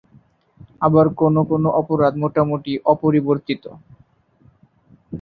আবার কোনো কোন অপরাধ মোটামুটি অপরিবর্তিত।